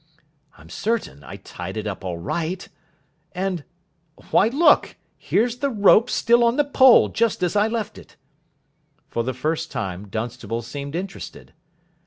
"I'm certain I tied it up all right. And why, look! here's the rope still on the pole, just as I left it." For the first time Dunstable seemed interested.